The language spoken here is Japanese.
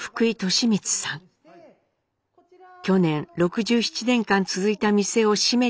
去年６７年間続いた店を閉めたといいます。